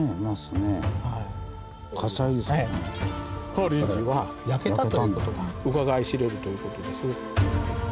「法隆寺は焼けた」ということがうかがい知れるということです。